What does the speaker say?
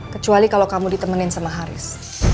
kecuali kalau kamu ditemenin sama haris